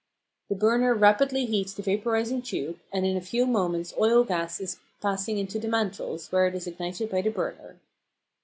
The burner rapidly heats the vaporising tube, and in a few moments oil gas is passing into the mantles, where it is ignited by the burner.